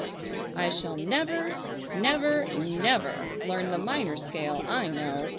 _ I shall never, never, never learn the minor scale, I know.